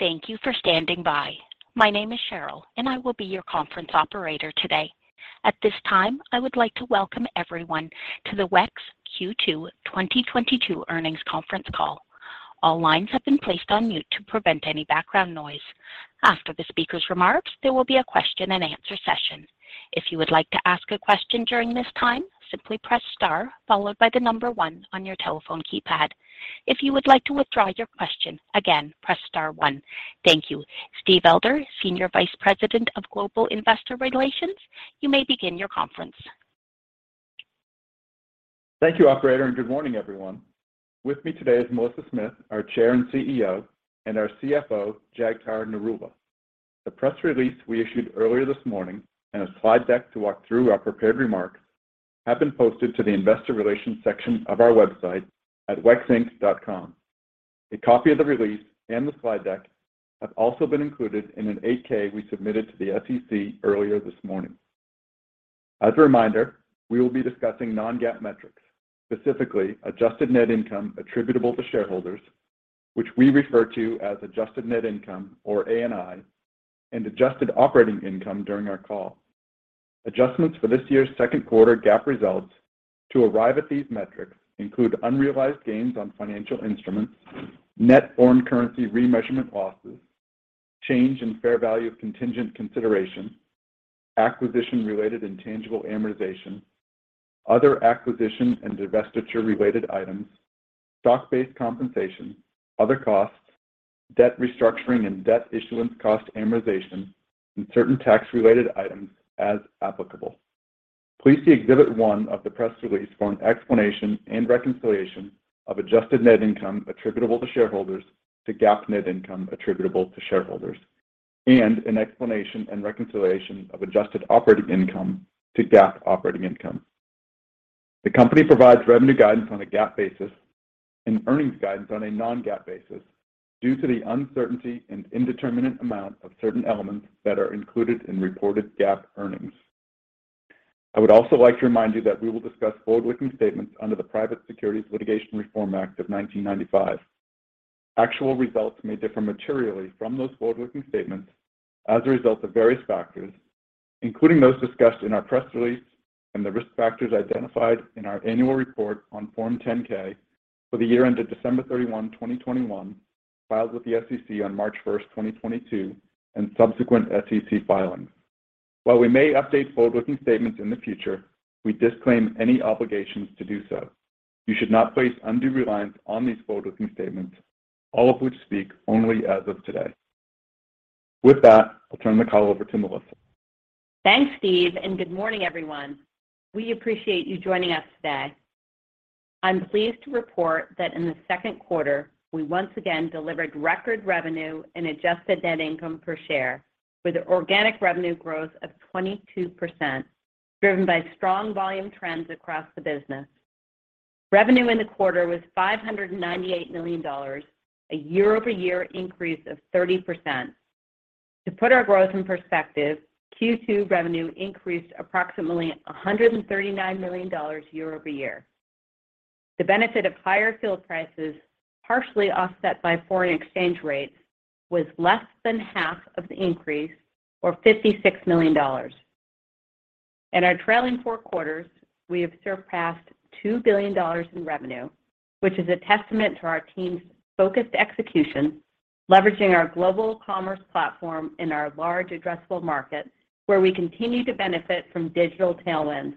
Thank you for standing by. My name is Cheryl, and I will be your conference operator today. At this time, I would like to welcome everyone to the WEX Q2 2022 earnings conference call. All lines have been placed on mute to prevent any background noise. After the speaker's remarks, there will be a question and answer session. If you would like to ask a question during this time, simply press star followed by the number one on your telephone keypad. If you would like to withdraw your question, again, press star one. Thank you. Steve Elder, Senior Vice President of Global Investor Relations, you may begin your conference. Thank you, operator, and good morning, everyone. With me today is Melissa Smith, our Chair and CEO, and our CFO, Jagtar Narula. The press release we issued earlier this morning and a slide deck to walk through our prepared remarks have been posted to the investor relations section of our website at wexinc.com. A copy of the release and the slide deck have also been included in an 8-K we submitted to the SEC earlier this morning. As a reminder, we will be discussing non-GAAP metrics, specifically adjusted net income attributable to shareholders, which we refer to as adjusted net income or ANI, and adjusted operating income during our call. Adjustments for this year's second quarter GAAP results to arrive at these metrics include unrealized gains on financial instruments, net foreign currency remeasurement losses, change in fair value of contingent consideration, acquisition-related intangible amortization, other acquisition and divestiture-related items, stock-based compensation, other costs, debt restructuring and debt issuance cost amortization, and certain tax-related items as applicable. Please see Exhibit 1 of the press release for an explanation and reconciliation of adjusted net income attributable to shareholders to GAAP net income attributable to shareholders, and an explanation and reconciliation of adjusted operating income to GAAP operating income. The company provides revenue guidance on a GAAP basis and earnings guidance on a non-GAAP basis due to the uncertainty and indeterminate amount of certain elements that are included in reported GAAP earnings. I would also like to remind you that we will discuss forward-looking statements under the Private Securities Litigation Reform Act of 1995. Actual results may differ materially from those forward-looking statements as a result of various factors, including those discussed in our press release and the risk factors identified in our annual report on Form 10-K for the year ended December 31, 2021, filed with the SEC on March 1st, 2022, and subsequent SEC filings. While we may update forward-looking statements in the future, we disclaim any obligations to do so. You should not place undue reliance on these forward-looking statements, all of which speak only as of today. With that, I'll turn the call over to Melissa. Thanks, Steve, and good morning everyone. We appreciate you joining us today. I'm pleased to report that in the second quarter, we once again delivered record revenue and adjusted net income per share with organic revenue growth of 22%, driven by strong volume trends across the business. Revenue in the quarter was $598 million, a year-over-year increase of 30%. To put our growth in perspective, Q2 revenue increased approximately $139 million year-over-year. The benefit of higher fuel prices, partially offset by foreign exchange rates, was less than half of the increase or $56 million. In our trailing four quarters, we have surpassed $2 billion in revenue, which is a testament to our team's focused execution, leveraging our global commerce platform in our large addressable market, where we continue to benefit from digital tailwinds.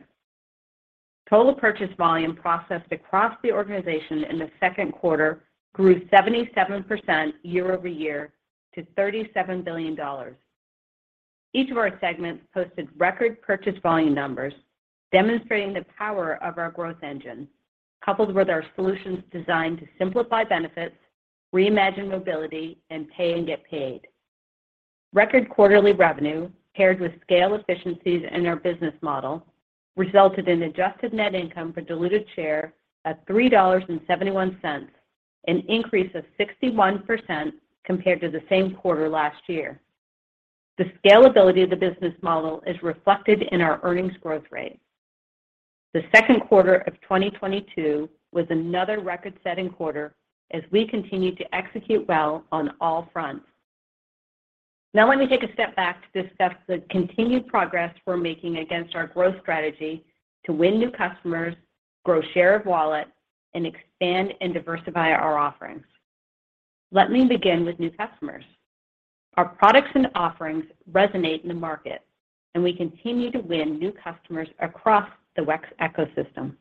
Total purchase volume processed across the organization in the second quarter grew 77% year-over-year to $37 billion. Each of our segments posted record purchase volume numbers, demonstrating the power of our growth engine, coupled with our solutions designed to simplify benefits, reimagine mobility, and pay and get paid. Record quarterly revenue paired with scale efficiencies in our business model resulted in adjusted net income per diluted share at $3.71, an increase of 61% compared to the same quarter last year. The scalability of the business model is reflected in our earnings growth rate. The second quarter of 2022 was another record-setting quarter as we continue to execute well on all fronts. Now let me take a step back to discuss the continued progress we're making against our growth strategy to win new customers, grow share of wallet, and expand and diversify our offerings. Let me begin with new customers. Our products and offerings resonate in the market, and we continue to win new customers across the WEX ecosystem.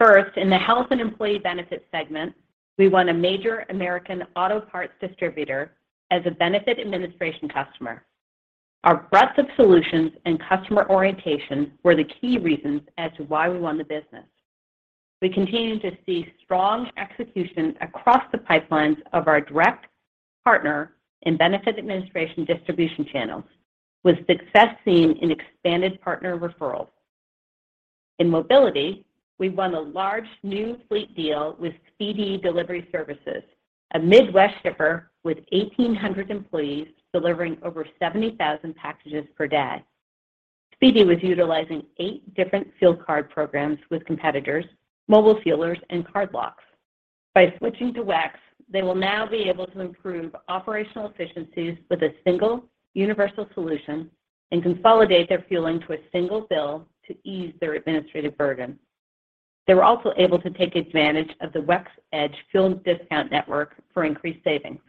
First, in the health and employee benefit segment, we won a major American auto parts distributor as a benefit administration customer. Our breadth of solutions and customer orientation were the key reasons as to why we won the business. We continue to see strong execution across the pipelines of our direct partner in benefit administration distribution channels, with success seen in expanded partner referrals. In mobility, we've won a large new fleet deal with Spee-Dee Delivery Services, a Midwest shipper with 1,800 employees delivering over 70,000 packages per day. Spee-Dee was utilizing eight different fuel card programs with competitors, mobile fuelers, and card locks. By switching to WEX, they will now be able to improve operational efficiencies with a single universal solution and consolidate their fueling to a single bill to ease their administrative burden. They were also able to take advantage of the WEX EDGE fuel discount network for increased savings.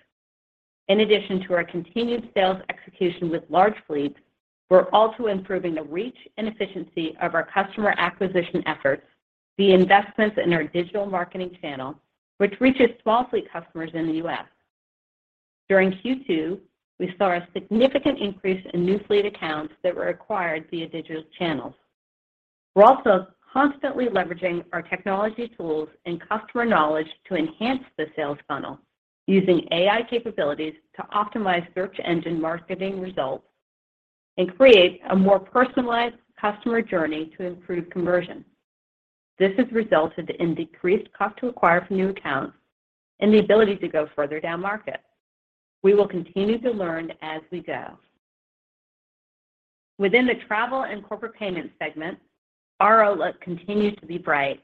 In addition to our continued sales execution with large fleets, we're also improving the reach and efficiency of our customer acquisition efforts via investments in our digital marketing channel, which reaches small fleet customers in the U.S. During Q2, we saw a significant increase in new fleet accounts that were acquired via digital channels. We're also constantly leveraging our technology tools and customer knowledge to enhance the sales funnel using AI capabilities to optimize search engine marketing results and create a more personalized customer journey to improve conversion. This has resulted in decreased cost to acquire for new accounts and the ability to go further down-market. We will continue to learn as we go. Within the travel and corporate payment segment, our outlook continues to be bright.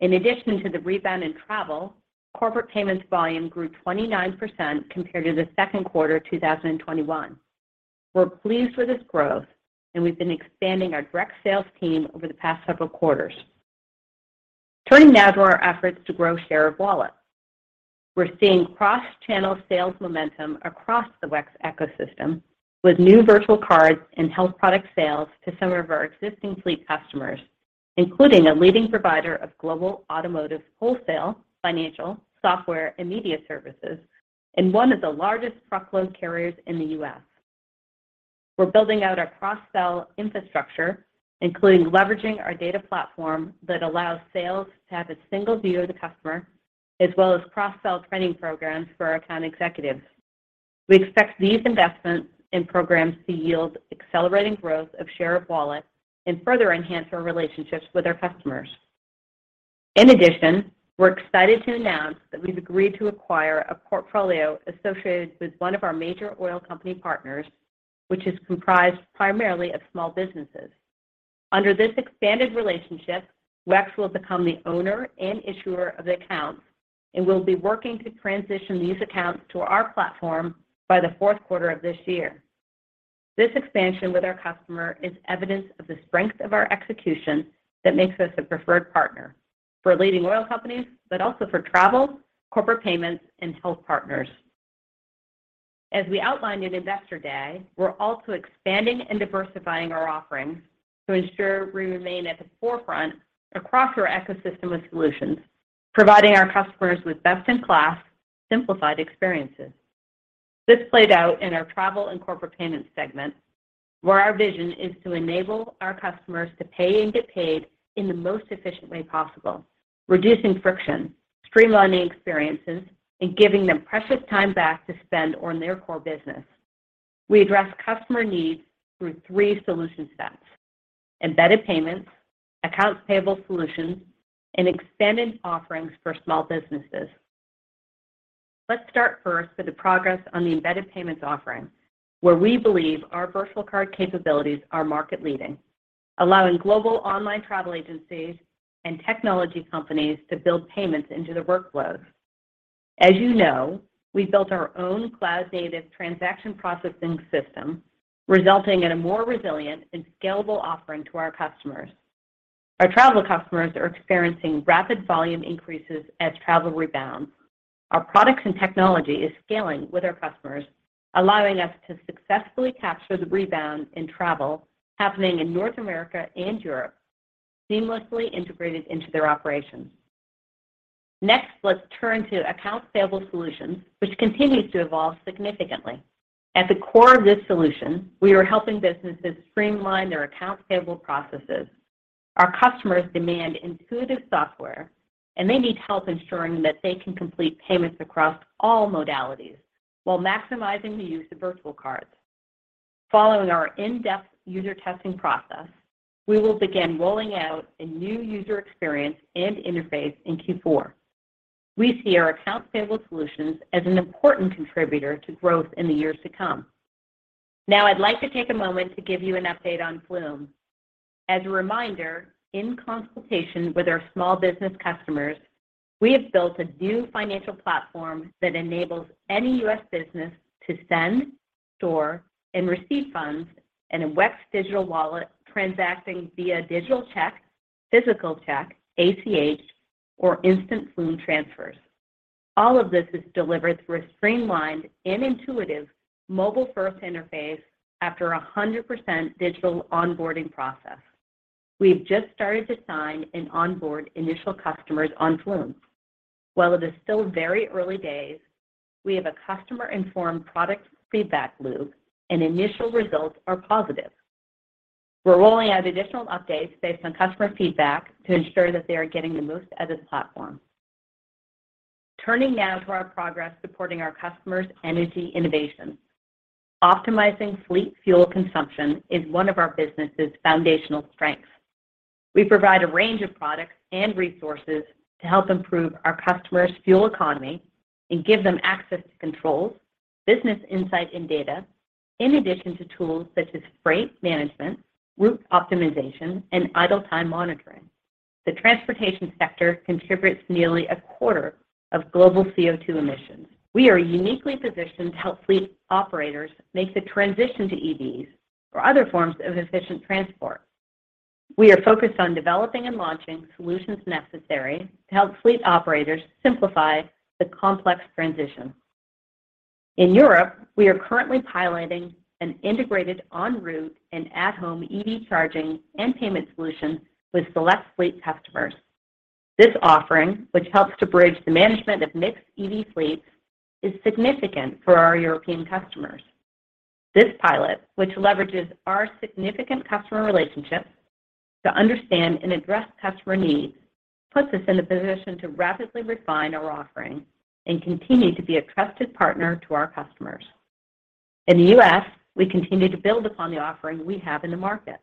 In addition to the rebound in travel, corporate payments volume grew 29% compared to the second quarter of 2021. We're pleased with this growth, and we've been expanding our direct sales team over the past several quarters. Turning now to our efforts to grow share of wallet. We're seeing cross-channel sales momentum across the WEX ecosystem with new virtual cards and health product sales to some of our existing fleet customers, including a leading provider of global automotive, wholesale, financial, software, and media services, and one of the largest truckload carriers in the U.S. We're building out our cross-sell infrastructure, including leveraging our data platform that allows sales to have a single view of the customer, as well as cross-sell training programs for our account executives. We expect these investments in programs to yield accelerating growth of share of wallet and further enhance our relationships with our customers. In addition, we're excited to announce that we've agreed to acquire a portfolio associated with one of our major oil company partners, which is comprised primarily of small businesses. Under this expanded relationship, WEX will become the owner and issuer of the accounts and will be working to transition these accounts to our platform by the fourth quarter of this year. This expansion with our customer is evidence of the strength of our execution that makes us a preferred partner for leading oil companies but also for travel, corporate payments, and health partners. As we outlined in Investor Day, we're also expanding and diversifying our offerings to ensure we remain at the forefront across our ecosystem of solutions, providing our customers with best-in-class, simplified experiences. This played out in our travel and corporate payments segment, where our vision is to enable our customers to pay and get paid in the most efficient way possible, reducing friction, streamlining experiences, and giving them precious time back to spend on their core business. We address customer needs through three solution sets: embedded payments, accounts payable solutions, and expanded offerings for small businesses. Let's start first with the progress on the embedded payments offering, where we believe our virtual card capabilities are market-leading, allowing global online travel agencies and technology companies to build payments into their workflows. As you know, we built our own cloud-native transaction processing system, resulting in a more resilient and scalable offering to our customers. Our travel customers are experiencing rapid volume increases as travel rebounds. Our products and technology is scaling with our customers, allowing us to successfully capture the rebound in travel happening in North America and Europe, seamlessly integrated into their operations. Next, let's turn to accounts payable solutions, which continues to evolve significantly. At the core of this solution, we are helping businesses streamline their accounts payable processes. Our customers demand intuitive software, and they need help ensuring that they can complete payments across all modalities while maximizing the use of virtual cards. Following our in-depth user testing process, we will begin rolling out a new user experience and interface in Q4. We see our accounts payable solutions as an important contributor to growth in the years to come. Now, I'd like to take a moment to give you an update on Flume. As a reminder, in consultation with our small business customers, we have built a new financial platform that enables any U.S. business to send, store, and receive funds in a WEX digital wallet transacting via digital check, physical check, ACH, or instant Flume transfers. All of this is delivered through a streamlined and intuitive mobile-first interface after a 100% digital onboarding process. We've just started to sign and onboard initial customers on Flume. While it is still very early days, we have a customer-informed product feedback loop, and initial results are positive. We're rolling out additional updates based on customer feedback to ensure that they are getting the most out of the platform. Turning now to our progress supporting our customers' energy innovation. Optimizing fleet fuel consumption is one of our business's foundational strengths. We provide a range of products and resources to help improve our customers' fuel economy and give them access to controls, business insight and data, in addition to tools such as freight management, route optimization, and idle time monitoring. The transportation sector contributes nearly a quarter of global CO₂ emissions. We are uniquely positioned to help fleet operators make the transition to EVs or other forms of efficient transport. We are focused on developing and launching solutions necessary to help fleet operators simplify the complex transition. In Europe, we are currently piloting an integrated en route and at-home EV charging and payment solution with select fleet customers. This offering, which helps to bridge the management of mixed EV fleets, is significant for our European customers. This pilot, which leverages our significant customer relationships to understand and address customer needs, puts us in a position to rapidly refine our offering and continue to be a trusted partner to our customers. In the U.S., we continue to build upon the offering we have in the market.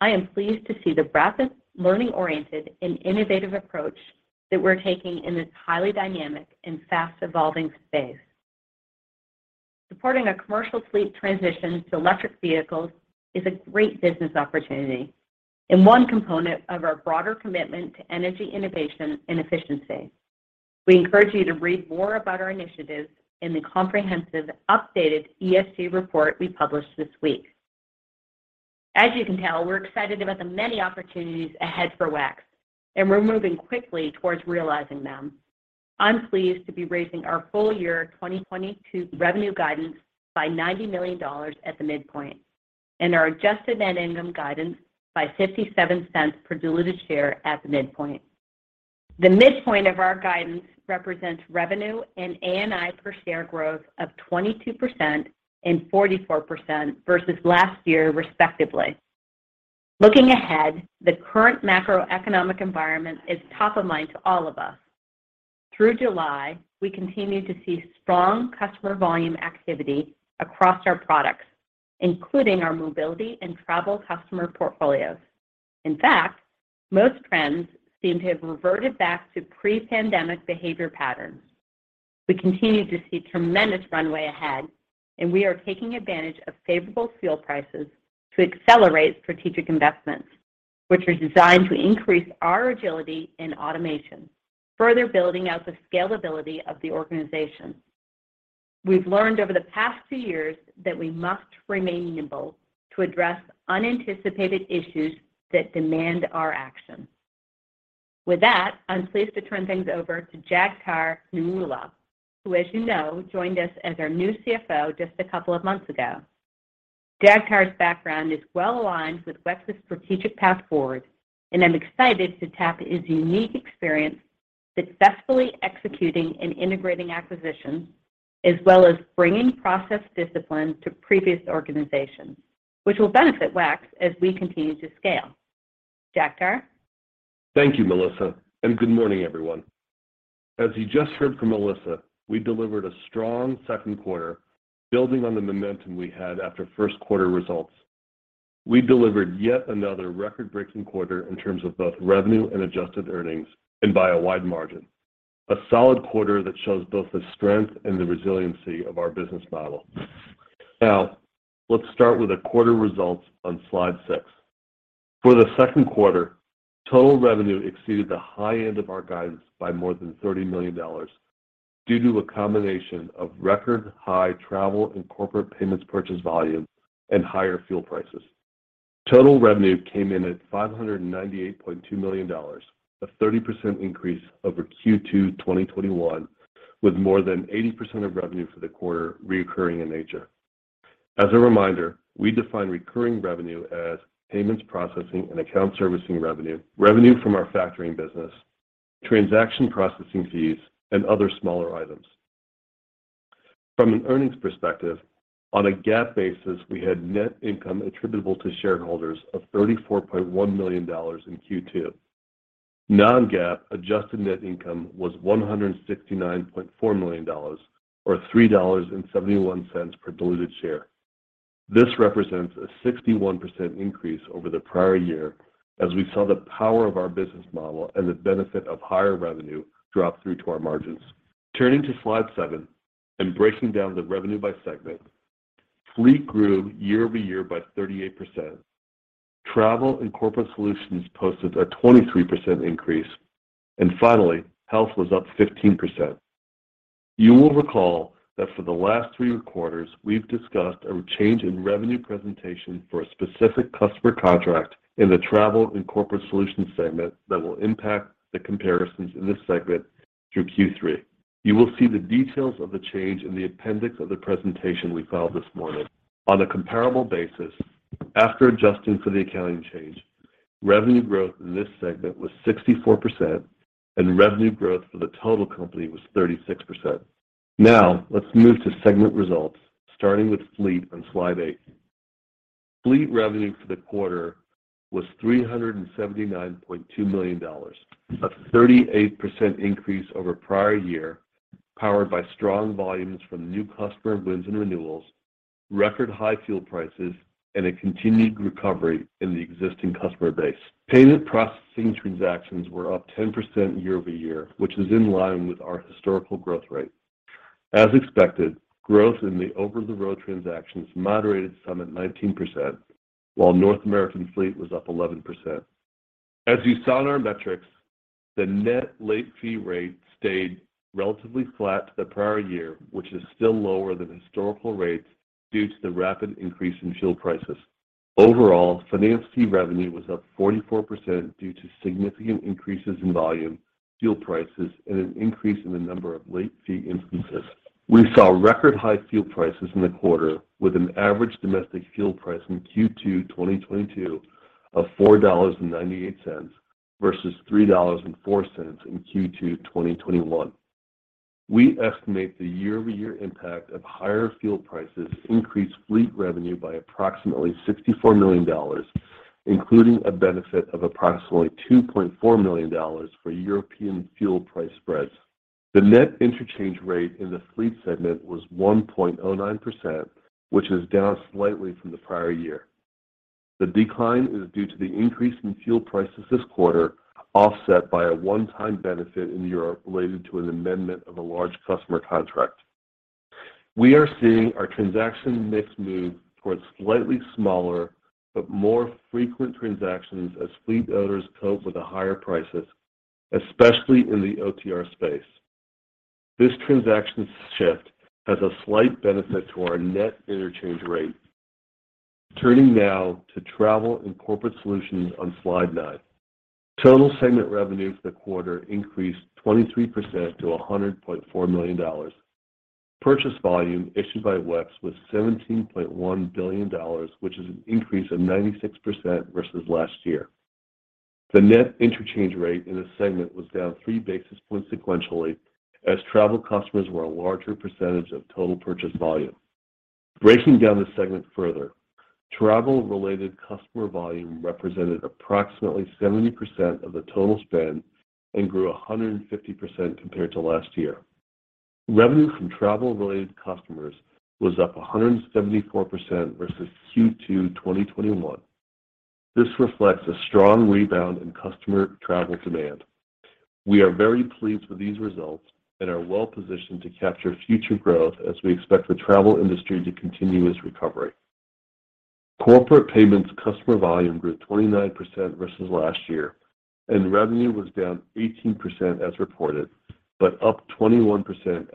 I am pleased to see the rapid learning-oriented and innovative approach that we're taking in this highly dynamic and fast-evolving space. Supporting a commercial fleet transition to electric vehicles is a great business opportunity and one component of our broader commitment to energy innovation and efficiency. We encourage you to read more about our initiatives in the comprehensive updated ESG report we published this week. As you can tell, we're excited about the many opportunities ahead for WEX, and we're moving quickly towards realizing them. I'm pleased to be raising our full year 2022 revenue guidance by $90 million at the midpoint, and our adjusted net income guidance by $0.57 per diluted share at the midpoint. The midpoint of our guidance represents revenue and ANI per share growth of 22% and 44% versus last year, respectively. Looking ahead, the current macroeconomic environment is top of mind to all of us. Through July, we continue to see strong customer volume activity across our products, including our mobility and travel customer portfolios. In fact, most trends seem to have reverted back to pre-pandemic behavior patterns. We continue to see tremendous runway ahead, and we are taking advantage of favorable fuel prices to accelerate strategic investments, which are designed to increase our agility in automation, further building out the scalability of the organization. We've learned over the past two years that we must remain nimble to address unanticipated issues that demand our action. With that, I'm pleased to turn things over to Jagtar Narula, who, as you know, joined us as our new CFO just a couple of months ago. Jagtar's background is well-aligned with WEX's strategic path forward, and I'm excited to tap his unique experience successfully executing and integrating acquisitions, as well as bringing process discipline to previous organizations, which will benefit WEX as we continue to scale. Jagtar. Thank you, Melissa, and good morning, everyone. As you just heard from Melissa, we delivered a strong second quarter building on the momentum we had after first quarter results. We delivered yet another record-breaking quarter in terms of both revenue and adjusted earnings, and by a wide margin. A solid quarter that shows both the strength and the resiliency of our business model. Now, let's start with the quarter results on slide six. For the second quarter, total revenue exceeded the high end of our guidance by more than $30 million due to a combination of record high travel and corporate payments purchase volume and higher fuel prices. Total revenue came in at $598.2 million, a 30% increase over Q2 2021, with more than 80% of revenue for the quarter recurring in nature. As a reminder, we define recurring revenue as payments processing and account servicing revenue from our factoring business, transaction processing fees, and other smaller items. From an earnings perspective, on a GAAP basis, we had net income attributable to shareholders of $34.1 million in Q2. Non-GAAP adjusted net income was $169.4 million or $3.71 per diluted share. This represents a 61% increase over the prior year as we saw the power of our business model and the benefit of higher revenue drop through to our margins. Turning to slide seven and breaking down the revenue by segment, Fleet grew year-over-year by 38%. Travel and Corporate Solutions posted a 23% increase. Finally, Health was up 15%. You will recall that for the last three quarters, we've discussed a change in revenue presentation for a specific customer contract in the Travel and Corporate Solutions segment that will impact the comparisons in this segment through Q3. You will see the details of the change in the appendix of the presentation we filed this morning. On a comparable basis, after adjusting for the accounting change, revenue growth in this segment was 64%, and revenue growth for the total company was 36%. Now let's move to segment results, starting with Fleet on slide eight. Fleet revenue for the quarter was $379.2 million, a 38% increase over prior year, powered by strong volumes from new customer wins and renewals. Record high fuel prices and a continued recovery in the existing customer base. Payment processing transactions were up 10% year-over-year, which is in line with our historical growth rate. As expected, growth in the over-the-road transactions moderated some at 19%, while North American fleet was up 11%. As you saw in our metrics, the net late fee rate stayed relatively flat to the prior year, which is still lower than historical rates due to the rapid increase in fuel prices. Overall, finance fee revenue was up 44% due to significant increases in volume, fuel prices, and an increase in the number of late fee instances. We saw record high fuel prices in the quarter with an average domestic fuel price in Q2 2022 of $4.98 versus $3.04 in Q2 2021. We estimate the year-over-year impact of higher fuel prices increased fleet revenue by approximately $64 million, including a benefit of approximately $2.4 million for European fuel price spreads. The net interchange rate in the fleet segment was 1.09%, which is down slightly from the prior year. The decline is due to the increase in fuel prices this quarter, offset by a one-time benefit in Europe related to an amendment of a large customer contract. We are seeing our transaction mix move towards slightly smaller but more frequent transactions as fleet owners cope with the higher prices, especially in the OTR space. This transaction shift has a slight benefit to our net interchange rate. Turning now to travel and corporate solutions on slide nine. Total segment revenue for the quarter increased 23% to $100.4 million. Purchase volume issued by WEX was $17.1 billion, which is an increase of 96% versus last year. The net interchange rate in this segment was down 3 basis points sequentially as travel customers were a larger percentage of total purchase volume. Breaking down the segment further, travel-related customer volume represented approximately 70% of the total spend and grew 150% compared to last year. Revenue from travel-related customers was up 174% versus Q2 2021. This reflects a strong rebound in customer travel demand. We are very pleased with these results and are well-positioned to capture future growth as we expect the travel industry to continue its recovery. Corporate Payments customer volume grew 29% versus last year, and revenue was down 18% as reported, but up 21%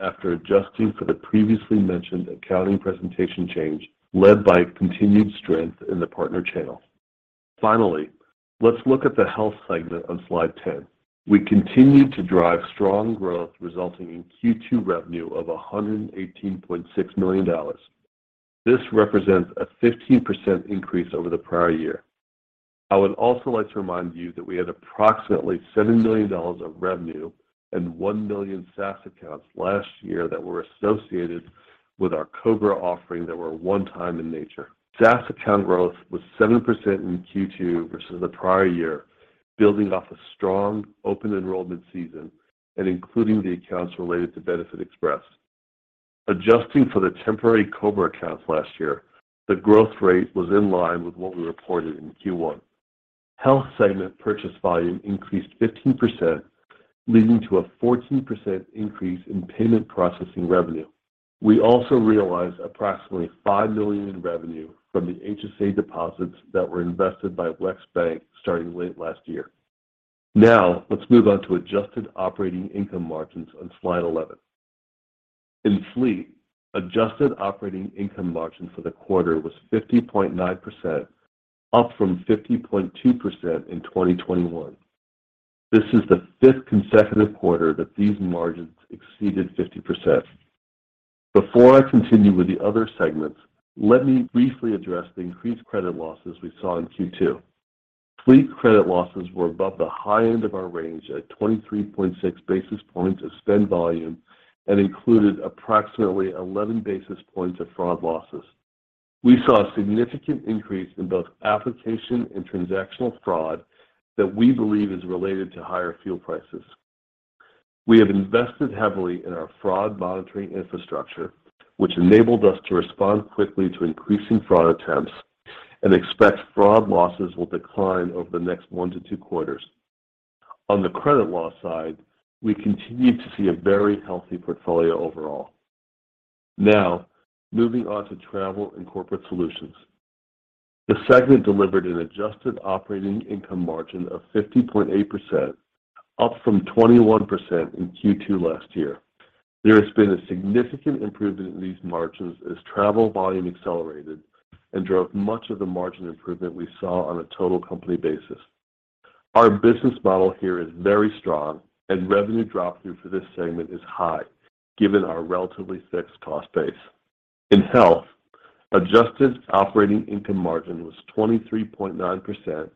after adjusting for the previously mentioned accounting presentation change, led by continued strength in the partner channel. Finally, let's look at the health segment on slide 10. We continued to drive strong growth resulting in Q2 revenue of $118.6 million. This represents a 15% increase over the prior year. I would also like to remind you that we had approximately $7 million of revenue and one million SaaS accounts last year that were associated with our COBRA offering that were one time in nature. SaaS account growth was 7% in Q2 versus the prior year, building off a strong open enrollment season and including the accounts related to benefitexpress. Adjusting for the temporary COBRA accounts last year, the growth rate was in line with what we reported in Q1. Health segment purchase volume increased 15%, leading to a 14% increase in payment processing revenue. We also realized approximately $5 million in revenue from the HSA deposits that were invested by WEX Bank starting late last year. Now, let's move on to adjusted operating income margins on slide 11. In Fleet, adjusted operating income margin for the quarter was 50.9%, up from 50.2% in 2021. This is the 5th consecutive quarter that these margins exceeded 50%. Before I continue with the other segments, let me briefly address the increased credit losses we saw in Q2. Fleet credit losses were above the high end of our range at 23.6 basis points of spend volume and included approximately 11 basis points of fraud losses. We saw a significant increase in both application and transactional fraud that we believe is related to higher fuel prices. We have invested heavily in our fraud monitoring infrastructure, which enabled us to respond quickly to increasing fraud attempts and expect fraud losses will decline over the next 1-2 quarters. On the credit loss side, we continue to see a very healthy portfolio overall. Now, moving on to Travel and Corporate Solutions. The segment delivered an adjusted operating income margin of 50.8%, up from 21% in Q2 last year. There has been a significant improvement in these margins as travel volume accelerated and drove much of the margin improvement we saw on a total company basis. Our business model here is very strong and revenue drop through for this segment is high given our relatively fixed cost base. In Health, adjusted operating income margin was 23.9%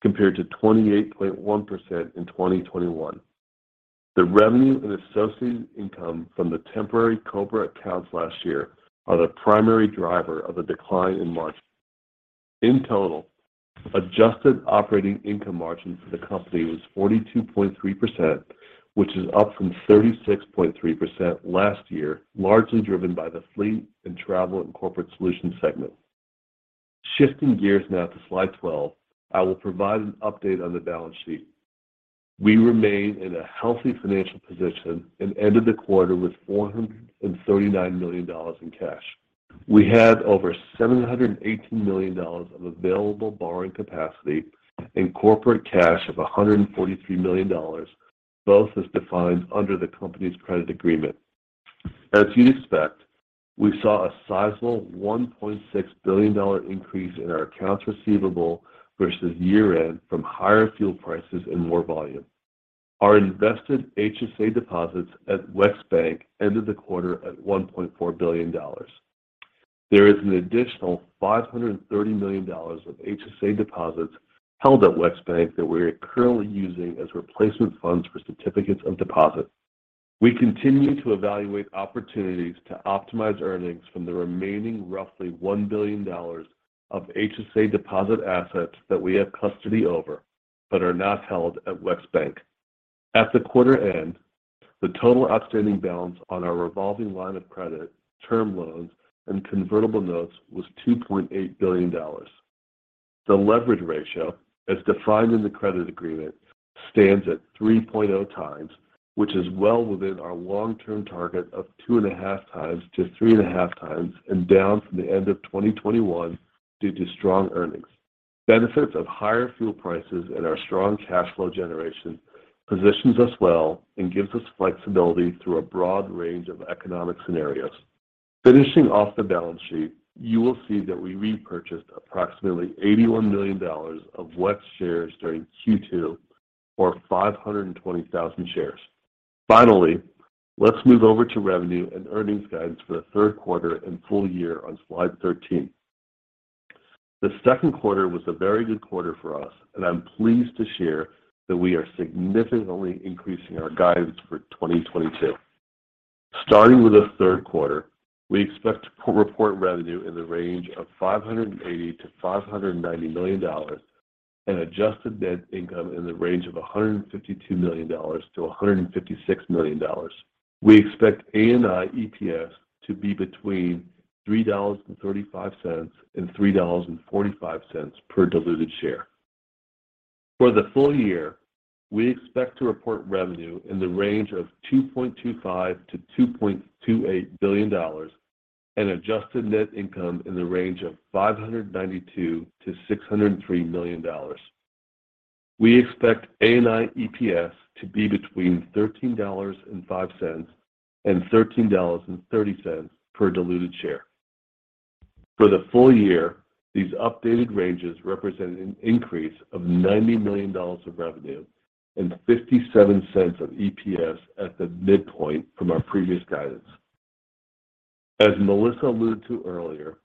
compared to 28.1% in 2021. The revenue and associated income from the temporary COBRA accounts last year are the primary driver of a decline in margin. In total, adjusted operating income margin for the company was 42.3%, which is up from 36.3% last year, largely driven by the fleet and travel and corporate solutions segment. Shifting gears now to slide 12, I will provide an update on the balance sheet. We remain in a healthy financial position and ended the quarter with $439 million in cash. We had over $718 million of available borrowing capacity and corporate cash of $143 million, both as defined under the company's credit agreement. As you'd expect, we saw a sizable $1.6 billion increase in our accounts receivable versus year-end from higher fuel prices and more volume. Our invested HSA deposits at WEX Bank ended the quarter at $1.4 billion. There is an additional $530 million of HSA deposits held at WEX Bank that we're currently using as replacement funds for certificates of deposit. We continue to evaluate opportunities to optimize earnings from the remaining roughly $1 billion of HSA deposit assets that we have custody over but are not held at WEX Bank. At the quarter end, the total outstanding balance on our revolving line of credit, term loans, and convertible notes was $2.8 billion. The leverage ratio, as defined in the credit agreement, stands at 3.0x, which is well within our long-term target of 2.5x-3.5x and down from the end of 2021 due to strong earnings. Benefits of higher fuel prices and our strong cash flow generation positions us well and gives us flexibility through a broad range of economic scenarios. Finishing off the balance sheet, you will see that we repurchased approximately $81 million of WEX shares during Q2 or 520,000 shares. Finally, let's move over to revenue and earnings guidance for the third quarter and full year on slide 13. The second quarter was a very good quarter for us, and I'm pleased to share that we are significantly increasing our guidance for 2022. Starting with the third quarter, we expect to report revenue in the range of $580 million-$590 million and adjusted net income in the range of $152 million-$156 million. We expect ANI EPS to be between $3.35 and $3.45 per diluted share. For the full year, we expect to report revenue in the range of $2.25 billion-$2.28 billion and adjusted net income in the range of $592 million-$603 million. We expect ANI EPS to be between $13.05 and $13.30 per diluted share. For the full year, these updated ranges represent an increase of $90 million of revenue and $0.57 of EPS at the midpoint from our previous guidance. As Melissa alluded to earlier,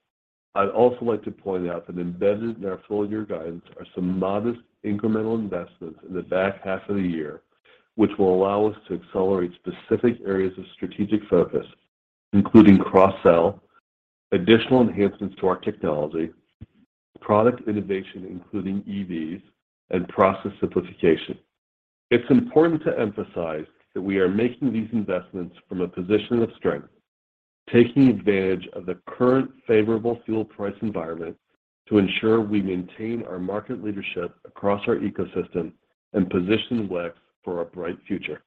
I'd also like to point out that embedded in our full year guidance are some modest incremental investments in the back half of the year, which will allow us to accelerate specific areas of strategic focus, including cross-sell, additional enhancements to our technology, product innovation, including EVs, and process simplification. It's important to emphasize that we are making these investments from a position of strength, taking advantage of the current favorable fuel price environment to ensure we maintain our market leadership across our ecosystem and position WEX for a bright future.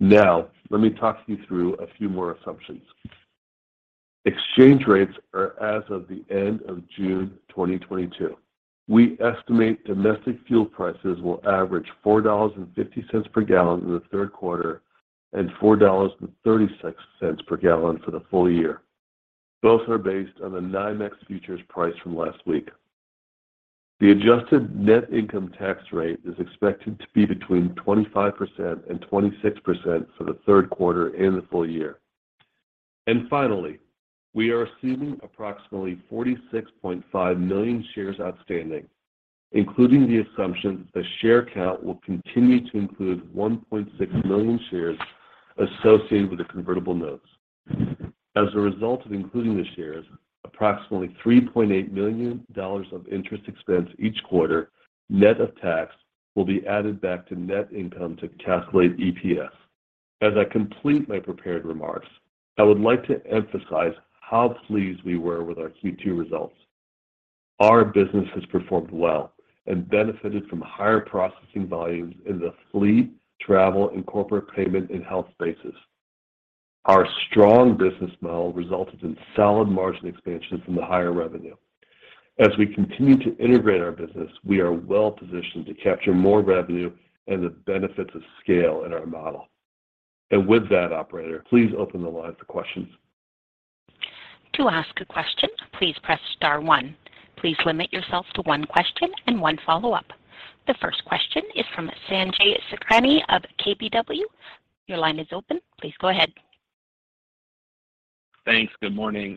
Now, let me talk you through a few more assumptions. Exchange rates are as of the end of June 2022. We estimate domestic fuel prices will average $4.50 per gallon in the third quarter and $4.36 per gallon for the full year. Both are based on the NYMEX futures price from last week. The adjusted net income tax rate is expected to be between 25% and 26% for the third quarter and the full year. Finally, we are assuming approximately 46.5 million shares outstanding, including the assumption the share count will continue to include 1.6 million shares associated with the convertible notes. As a result of including the shares, approximately $3.8 million of interest expense each quarter, net of tax, will be added back to net income to calculate EPS. As I complete my prepared remarks, I would like to emphasize how pleased we were with our Q2 results. Our business has performed well and benefited from higher processing volumes in the fleet, travel, and corporate payment and health spaces. Our strong business model resulted in solid margin expansion from the higher revenue. As we continue to integrate our business, we are well positioned to capture more revenue and the benefits of scale in our model. With that, operator, please open the line for questions. To ask a question, please press star one. Please limit yourself to one question and one follow-up. The first question is from Sanjay Sakhrani of KBW. Your line is open. Please go ahead. Thanks. Good morning.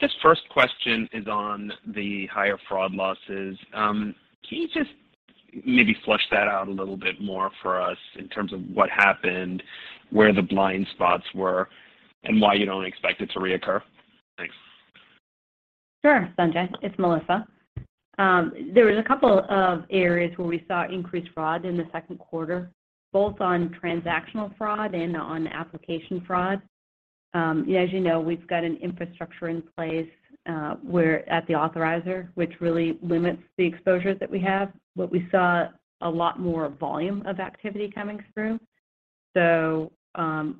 This first question is on the higher fraud losses. Can you just maybe flush that out a little bit more for us in terms of what happened, where the blind spots were, and why you don't expect it to reoccur? Thanks. Sure, Sanjay. It's Melissa. There was a couple of areas where we saw increased fraud in the second quarter, both on transactional fraud and on application fraud. As you know, we've got an infrastructure in place, where at the authorizer, which really limits the exposure that we have. What we saw a lot more volume of activity coming through.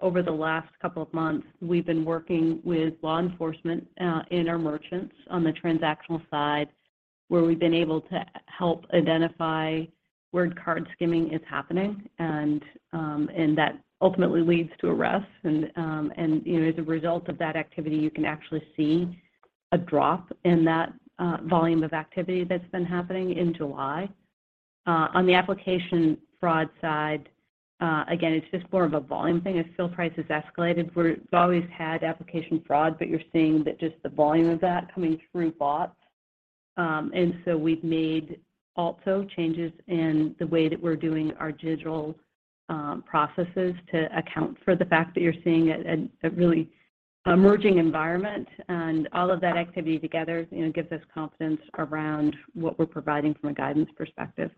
Over the last couple of months, we've been working with law enforcement, and our merchants on the transactional side, where we've been able to help identify where card skimming is happening. You know, as a result of that activity, you can actually see a drop in that volume of activity that's been happening in July. On the application fraud side, again, it's just more of a volume thing as fuel prices escalated. We've always had application fraud, but you're seeing that just the volume of that coming through bots. We've made also changes in the way that we're doing our digital processes to account for the fact that you're seeing a really emerging environment. All of that activity together, you know, gives us confidence around what we're providing from a guidance perspective.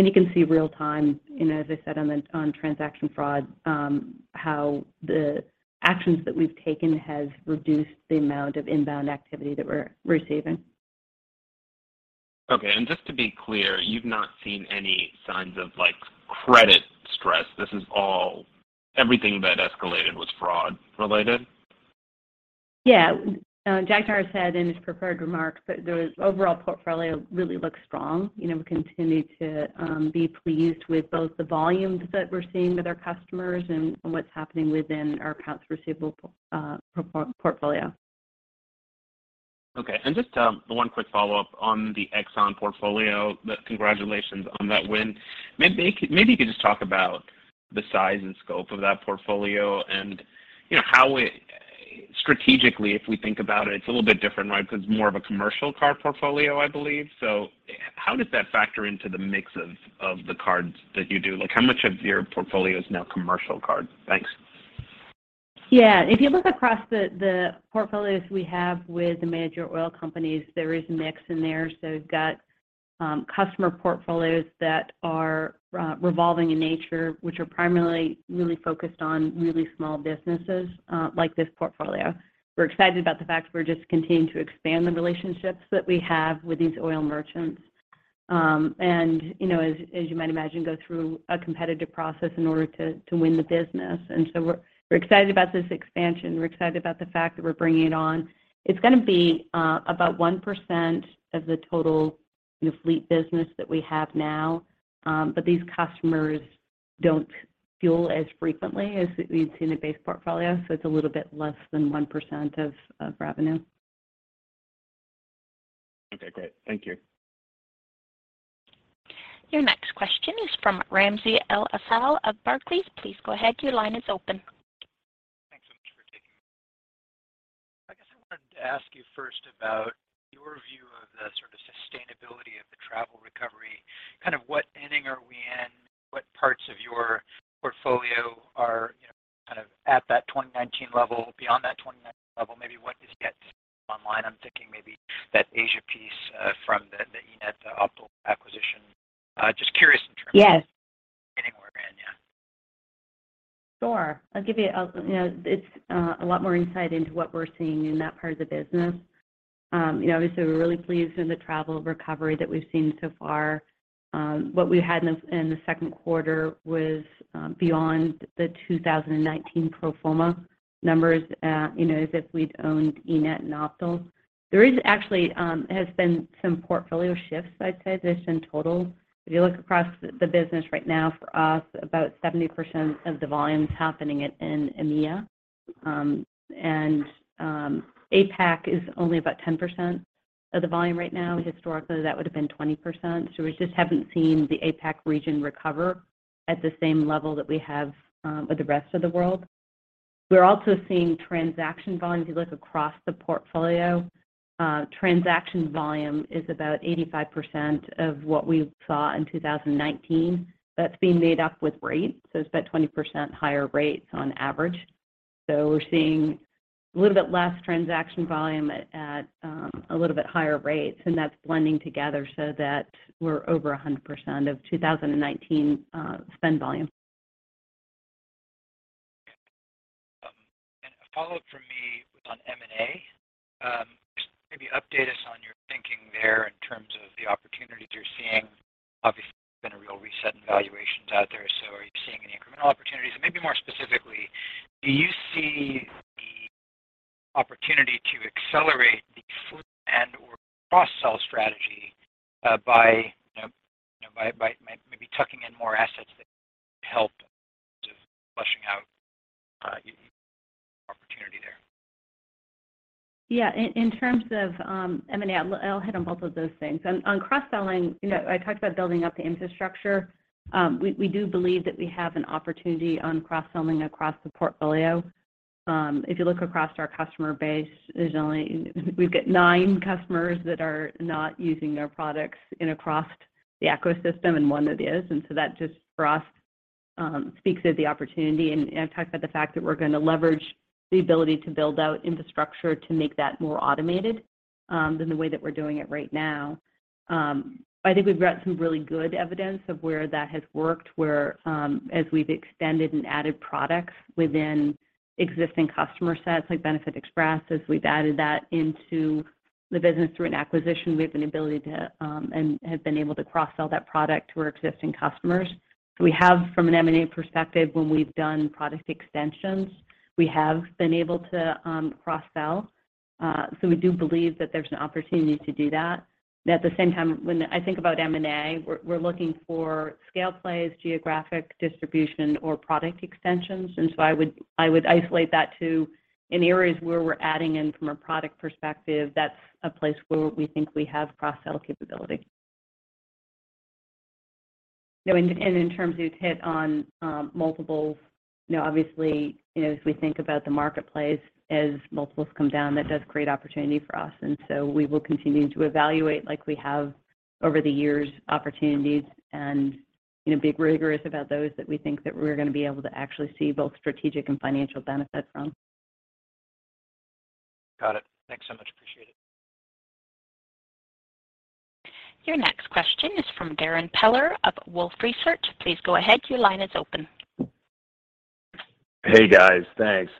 You can see real time, you know, as I said on the on transaction fraud, how the actions that we've taken has reduced the amount of inbound activity that we're receiving. Okay. Just to be clear, you've not seen any signs of, like, credit stress. This is all, everything that escalated was fraud related. Yeah. Jagtar said in his prepared remarks that the overall portfolio really looks strong. You know, we continue to be pleased with both the volumes that we're seeing with our customers and what's happening within our accounts receivable portfolio. Okay. Just one quick follow-up on the Exxon portfolio. Congratulations on that win. Maybe you could just talk about the size and scope of that portfolio and, you know, how it strategically, if we think about it's a little bit different, right? Because it's more of a commercial card portfolio, I believe. How does that factor into the mix of the cards that you do? Like, how much of your portfolio is now commercial cards? Thanks. Yeah. If you look across the portfolios we have with the major oil companies, there is a mix in there. We've got customer portfolios that are revolving in nature, which are primarily really focused on really small businesses, like this portfolio. We're excited about the fact we're just continuing to expand the relationships that we have with these oil merchants. You know, as you might imagine, go through a competitive process in order to win the business. We're excited about this expansion. We're excited about the fact that we're bringing it on. It's gonna be about 1% of the total fleet business that we have now. But these customers don't fuel as frequently as we've seen the base portfolio, so it's a little bit less than 1% of revenue. Okay, great. Thank you. Your next question is from Ramsey El-Assal of Barclays. Please go ahead. Your line is open. Thanks so much for taking my call. I guess I wanted to ask you first about your view of the sort of sustainability of the travel recovery. Kind of what inning are we in? What parts of your portfolio are, you know, kind of at that 2019 level, beyond that 2019 level? Maybe what is yet online. I'm thinking maybe that Asia piece from the eNett Optal acquisition. Just curious in terms of- Yes. we're in. Yeah. Sure. I'll give you know, a lot more insight into what we're seeing in that part of the business. You know, obviously we're really pleased in the travel recovery that we've seen so far. What we had in the second quarter was beyond the 2019 pro forma numbers, you know, as if we'd owned eNett and Optal. There actually has been some portfolio shifts, I'd say, this in total. If you look across the business right now for us, about 70% of the volume is happening in EMEA. APAC is only about 10% of the volume right now. Historically, that would have been 20%. We just haven't seen the APAC region recover at the same level that we have with the rest of the world. We're also seeing transaction volume. If you look across the portfolio, transaction volume is about 85% of what we saw in 2019. That's being made up with rates, so it's about 20% higher rates on average. We're seeing a little bit less transaction volume at a little bit higher rates, and that's blending together so that we're over 100% of 2019 spend volume. Okay. A follow-up from me on M&A. Just maybe update us on your thinking there in terms of the opportunities you're seeing. Obviously, there's been a real reset in valuations out there. Are you seeing any incremental opportunities? Maybe more specifically, do you see the opportunity to accelerate the fleet end or cross-sell strategy, by you know, by maybe tucking in more assets that help in terms of fleshing out opportunity there? Yeah. In terms of M&A, I'll hit on both of those things. On cross-selling, you know, I talked about building out the infrastructure. We do believe that we have an opportunity on cross-selling across the portfolio. If you look across our customer base, we've got nine customers that are not using their products across the ecosystem, and one that is. I've talked about the fact that we're gonna leverage the ability to build out infrastructure to make that more automated than the way that we're doing it right now. I think we've got some really good evidence of where that has worked, where, as we've extended and added products within existing customer sets, like benefitexpress, as we've added that into the business through an acquisition, we have an ability to, and have been able to cross-sell that product to our existing customers. We have from an M&A perspective, when we've done product extensions, we have been able to cross-sell. We do believe that there's an opportunity to do that. At the same time, when I think about M&A, we're looking for scale plays, geographic distribution or product extensions. I would isolate that to in areas where we're adding in from a product perspective, that's a place where we think we have cross-sell capability. No, in terms you've hit on, multiples, you know, obviously, you know, as we think about the marketplace, as multiples come down, that does create opportunity for us. We will continue to evaluate, like we have over the years, opportunities and, you know, be rigorous about those that we think that we're gonna be able to actually see both strategic and financial benefit from. Got it. Thanks so much. Appreciate it. Your next question is from Darrin Peller of Wolfe Research. Please go ahead. Your line is open. Hey, guys. Thanks.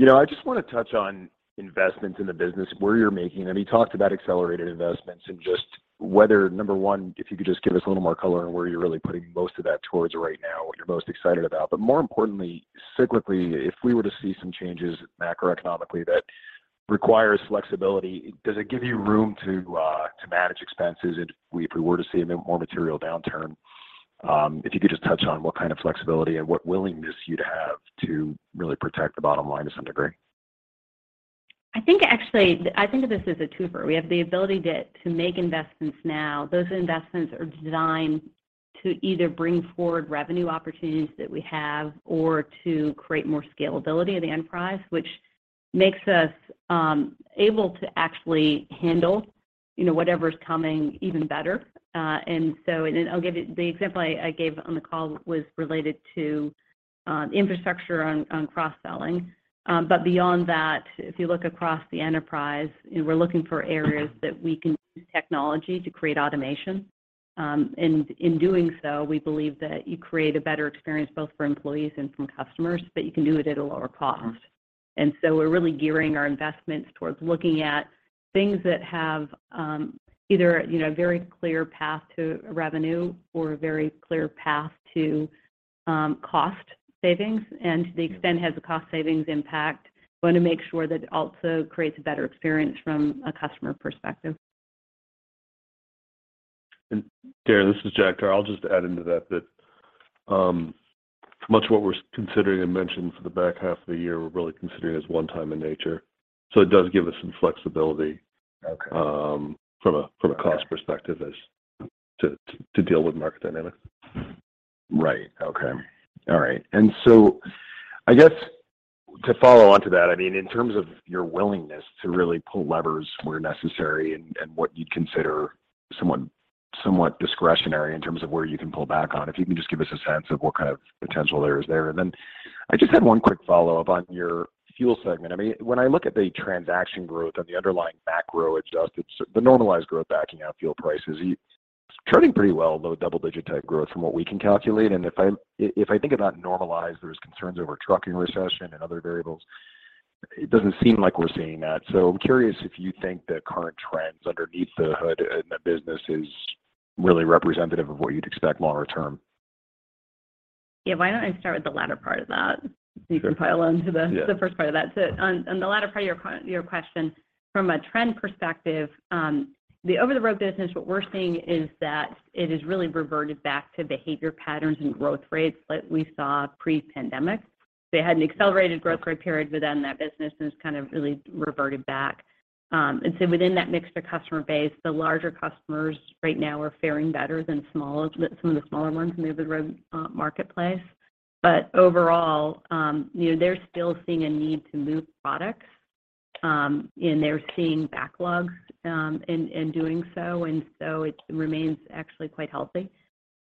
You know, I just wanna touch on investments in the business where you're making. I mean, you talked about accelerated investments and just whether, number one, if you could just give us a little more color on where you're really putting most of that towards right now, what you're most excited about. More importantly, cyclically, if we were to see some changes macroeconomically that requires flexibility, does it give you room to manage expenses if we were to see a more material downturn? If you could just touch on what kind of flexibility and what willingness you'd have to really protect the bottom line to some degree. I think actually I think of this as a twofer. We have the ability to make investments now. Those investments are designed to either bring forward revenue opportunities that we have or to create more scalability of the enterprise, which makes us able to actually handle, you know, whatever's coming even better. I'll give you the example I gave on the call was related to infrastructure on cross-selling. But beyond that, if you look across the enterprise, you know, we're looking for areas that we can use technology to create automation. And in doing so, we believe that you create a better experience both for employees and from customers, but you can do it at a lower cost. We're really gearing our investments towards looking at things that have, either, you know, a very clear path to revenue or a very clear path to cost savings. To the extent it has a cost savings impact, wanna make sure that it also creates a better experience from a customer perspective. Darrin, this is Jagtar. I'll just add into that, much of what we're considering and mentioning for the back half of the year, we're really considering as one-time in nature. It does give us some flexibility. Okay From a cost perspective as to deal with market dynamics. Right. Okay. All right. I guess to follow on to that, I mean, in terms of your willingness to really pull levers where necessary and what you'd consider somewhat discretionary in terms of where you can pull back on, if you can just give us a sense of what kind of potential there is there. I just had one quick follow-up on your fuel segment. I mean, when I look at the transaction growth on the underlying macro adjusted, the normalized growth backing out fuel prices, it's trending pretty well, low double-digit type growth from what we can calculate. If I think about normalized, there's concerns over trucking recession and other variables. It doesn't seem like we're seeing that. I'm curious if you think the current trends underneath the hood in the business is really representative of what you'd expect longer term? Yeah. Why don't I start with the latter part of that, so you can pile on to the- Yeah... the first part of that. On the latter part of your question, from a trend perspective, the over-the-road business, what we're seeing is that it has really reverted back to behavior patterns and growth rates like we saw pre-pandemic. They had an accelerated growth rate period within that business, and it's kind of really reverted back. Within that mixture customer base, the larger customers right now are faring better than some of the smaller ones in the over-the-road marketplace. Overall, you know, they're still seeing a need to move products, and they're seeing backlogs in doing so and so it remains actually quite healthy.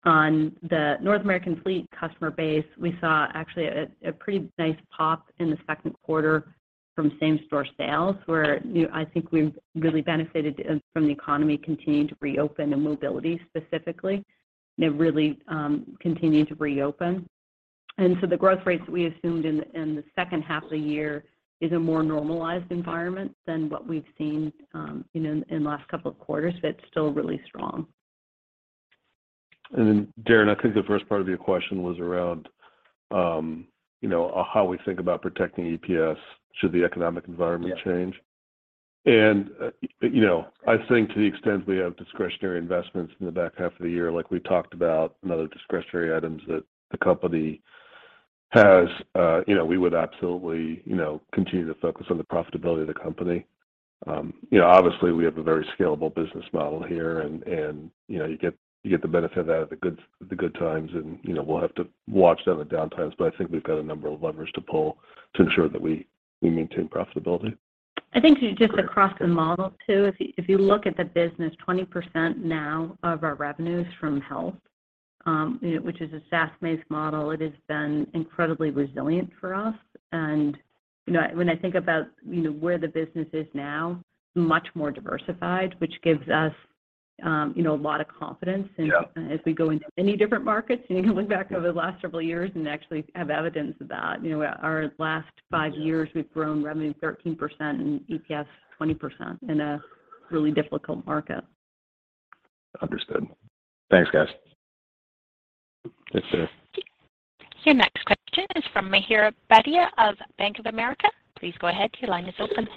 On the North American fleet customer base, we saw actually a pretty nice pop in the second quarter from same store sales, where, you know, I think we've really benefited from the economy continuing to reopen and mobility specifically. They've really continued to reopen. The growth rates we assumed in the second half of the year is a more normalized environment than what we've seen, you know, in the last couple of quarters, but it's still really strong. Darrin, I think the first part of your question was around, you know, how we think about protecting EPS should the economic environment change. Yeah. I think to the extent we have discretionary investments in the back half of the year, like we talked about and other discretionary items that the company has, you know, we would absolutely, you know, continue to focus on the profitability of the company. You know, obviously we have a very scalable business model here and, you know, you get the benefit out of the good times and, you know, we'll have to watch out for the down times, but I think we've got a number of levers to pull to ensure that we maintain profitability. I think just across the model too, if you look at the business, 20% now of our revenue is from health, you know, which is a SaaS-based model. It has been incredibly resilient for us. You know, when I think about, you know, where the business is now, much more diversified, which gives us, you know, a lot of confidence. Yeah As we go into many different markets. You can look back over the last several years and actually have evidence of that. You know, our last five years we've grown revenue 13% and EPS 20% in a really difficult market. Understood. Thanks, guys. Thanks, Darrin. Your next question is from Mihir Bhatia of Bank of America. Please go ahead, your line is open.